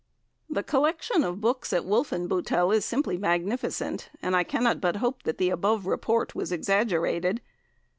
The collection of books at Wolfenbuttel is simply magnificent, and I cannot but hope the above report was exaggerated.